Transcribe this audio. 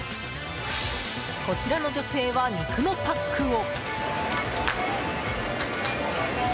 こちらの女性は、肉のパックを。